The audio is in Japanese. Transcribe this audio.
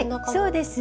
そうです。